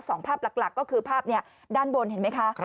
ภาพหลักก็คือภาพนี้ด้านบนเห็นไหมคะ